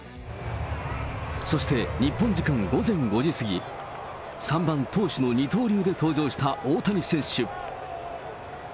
そして、日本時間午前５時過ぎ、３番投手の二刀流で登場した大谷選手。